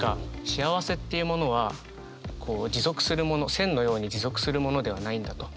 幸せっていうものはこう持続するもの線のように持続するものではないんだと。